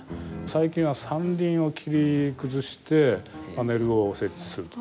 最近は山林を切り崩してパネルを設置すると。